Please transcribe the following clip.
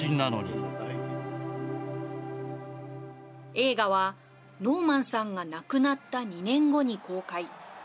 映画は、ノーマンさんが亡くなった２年後に公開。